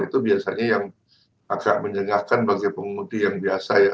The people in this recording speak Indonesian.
itu biasanya yang agak menyengahkan bagi pengemudi yang biasa ya